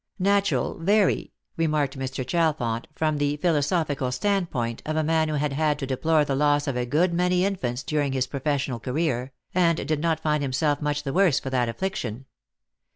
Natural, very, remarked Mr. Ohalfont from the philo sophical standpoint of a man who had had to deplore the loss of a good many infants during his professional career, and did not find himself much the worse for that affliction.